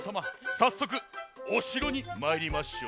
さっそくおしろにまいりましょう。